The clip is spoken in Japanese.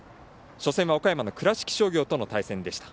初戦が岡山の倉敷商業との対戦でした。